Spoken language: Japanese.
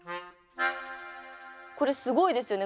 これすごいですよね。